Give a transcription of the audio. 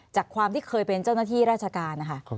จากความที่เคยเป็นเจ้าหน้าที่ราชการนะคะ